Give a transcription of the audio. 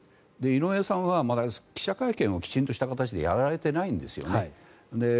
井上さんは記者会見をきちんとした形でやられていないんですね。